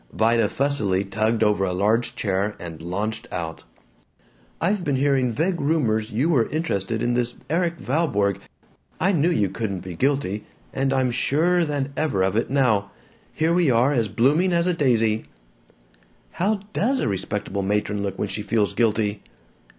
Vida fussily tugged over a large chair and launched out: "I've been hearing vague rumors you were interested in this Erik Valborg. I knew you couldn't be guilty, and I'm surer than ever of it now. Here we are, as blooming as a daisy." "How does a respectable matron look when she feels guilty?"